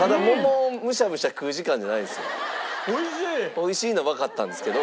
美味しいのわかったんですけど。